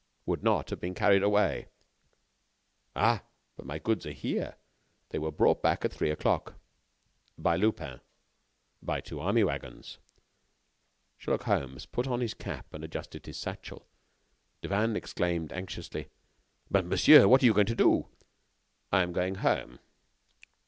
"Would not have been carried away." "Ah! but my goods are here. They were brought back at three o'clock." "By Lupin." "By two army wagons." Sherlock Holmes put on his cap and adjusted his satchel. Devanne exclaimed, anxiously: "But, monsieur, what are you going to do?" "I am going home."